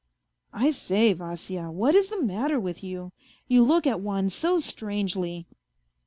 " I say, Vasya what is the matter with you ? You look at one so strangely."